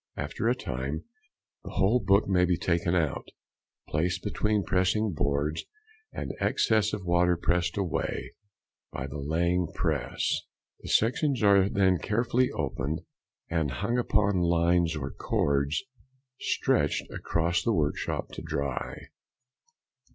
After a time the whole book may be taken out, placed between pressing boards, and excess of water pressed away by the laying |162| press. The sections are then carefully opened, and hung upon lines or cords stretched across the workshop to dry.